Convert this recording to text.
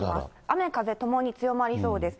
雨風ともに強まりそうです。